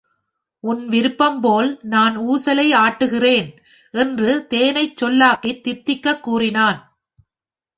உன் விருப்பம் போல் நான் ஊசலை ஆட்டுகிறேன்! என்று தேனைச் சொல்லாக்கித் தித்திக்கக் கூறினான்.